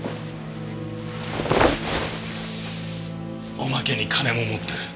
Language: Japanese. おまけに金も持ってる。